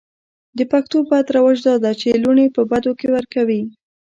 د پښتو بد رواج دا ده چې لوڼې په بدو کې ور کوي.